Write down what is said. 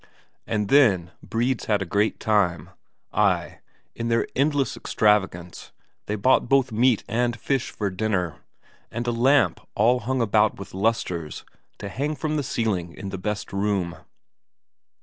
And then Bredes had a great time; ay, in their endless extravagance they bought both meat and fish for dinner, and a lamp all hung about with lustres to hang from the ceiling in the best room.